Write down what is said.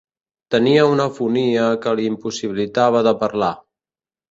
Tenia una afonia que li impossibilitava de parlar.